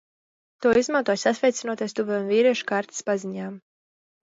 To izmantoja, sasveicinoties tuviem vīriešu kārtas paziņām.